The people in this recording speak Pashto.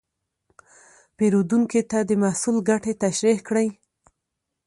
پیرودونکي ته د محصول ګټې تشریح کړئ.